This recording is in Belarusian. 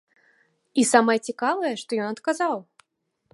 І самае цікавае, што ён адказаў.